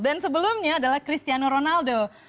dan sebelumnya adalah cristiano ronaldo